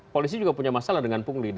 polisi juga punya masalah dengan pungli